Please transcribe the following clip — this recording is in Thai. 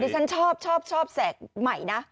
แต่ท่านชอบแสกใหม่นะ